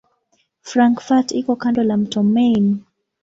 Frankfurt iko kando la mto Main.